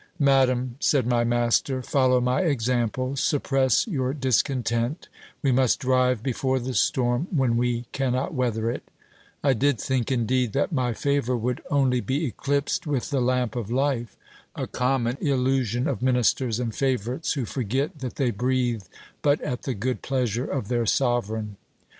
Madam, said my master, follow my example ; suppress your discontent : we must drive before the storm, when we cannot weather it I did think, indeed, that my favour would only be eclipsed with the lamp of life : a common illusion of ministers and favourites, who forget that they breathe but at the good pleasure of their sovereign.